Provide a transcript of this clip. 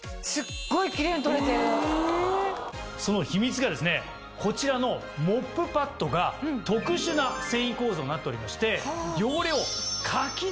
その秘密がですねこちらのモップパッドが。になっておりまして。